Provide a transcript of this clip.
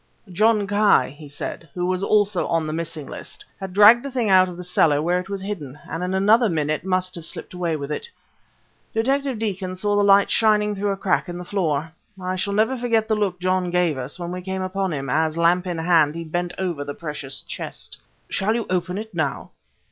"John Ki," he said, "who was also on the missing list, had dragged the thing out of the cellar where it was hidden, and in another minute must have slipped away with it. Detective Deacon saw the light shining through a crack in the floor. I shall never forget the look John gave us when we came upon him, as, lamp in hand, he bent over the precious chest." "Shall you open it now?"